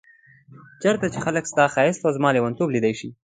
چيرته چي خلګ ستا ښايست او زما ليونتوب ليدلی شي